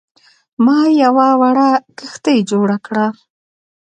ما یوه وړه کښتۍ جوړه کړه.